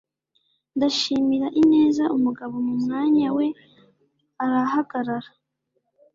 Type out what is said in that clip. Ndashimira ineza umugabo mu mwanya we arahagarara